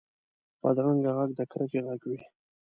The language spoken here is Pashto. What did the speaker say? بدرنګه غږ د کرکې غږ وي